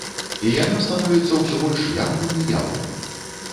І яно становіцца ўсё больш яўным і яўным.